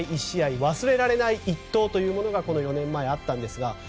１試合忘れられない一投というのがこの４年前にあったんです。